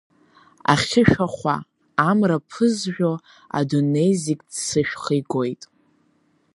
Ахьы шәахәа, амра ԥызжәо, адунеи зегь ццышәха игоит.